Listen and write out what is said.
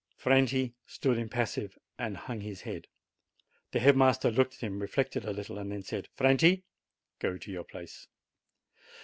Franti stood impassive, and hung his head. The head master looked at him, reflected a little, then said, "Franti, go to your place."